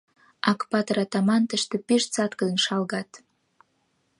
Акпатыр-атаман, тӹшты пиш цаткыдын шалгат.